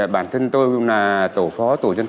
bản thân tôi cũng là tổ phó tổ nhân